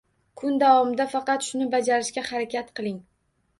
Kun davomida faqat shuni bajarishga harakat qiling.